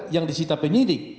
yang disita penyidik